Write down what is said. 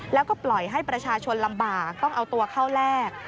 แล้วก็ปล่อยให้ประชาชนลำบากต้องเอาตัวเข้าแลก